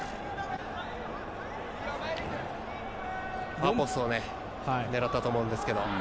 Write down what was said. パスを狙ったと思うんですけどね。